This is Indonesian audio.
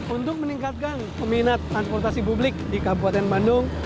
untuk meningkatkan peminat transportasi publik di kabupaten bandung